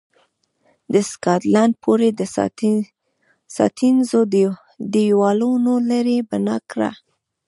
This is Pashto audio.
د سکاټلند پورې د ساتنیزو دېوالونو لړۍ بنا کړه.